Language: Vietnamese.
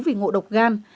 vì ngộ độc gan